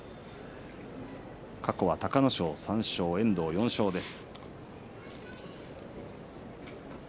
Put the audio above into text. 過去は隆の勝３勝遠藤４勝です。